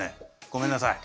ごめんなさい。